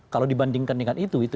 kalau dibandingkan dengan itu